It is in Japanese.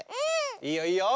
いいよいいよ。